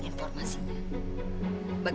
ya enggak lah